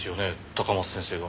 高松先生が。